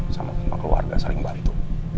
sama keluarga saling bantu